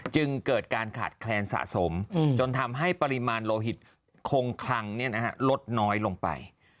จึงเกิดการขาดแคลนสะสมจนทำให้ปริมาณโลหิตคงคลังลดน้อยลงไป